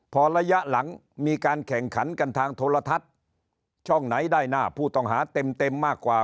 พอระยะหลังมีการแข่งขันกันทางโทรทัศน์ช่องไหนได้หน้าผู้ต้องหาเต็มเต็มมากกว่า